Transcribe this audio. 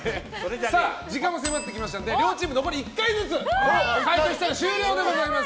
時間も迫ってきましたので両チーム残り１回ずつ回答したら終了でございます。